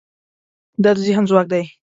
دا د ذهن ځواک دی.